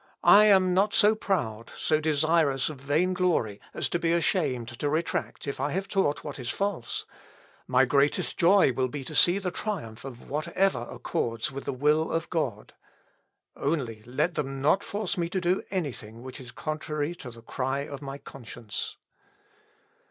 I am not so proud, so desirous of vain glory, as to be ashamed to retract if I have taught what is false. My greatest joy will be to see the triumph of whatever accords with the will of God. Only let them not force me to do anything which is contrary to the cry of my conscience."